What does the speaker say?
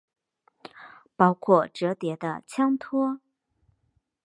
包括折叠的枪托。